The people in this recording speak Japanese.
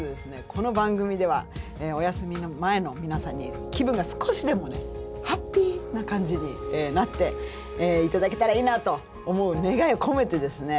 この番組ではお休み前の皆さんに気分が少しでもねハッピーな感じになって頂けたらいいなと思う願いを込めてですね